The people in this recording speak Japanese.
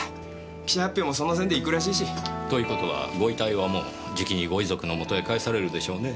記者発表もその線で行くらしいし。という事はご遺体はもうじきにご遺族の元へ帰されるでしょうねぇ。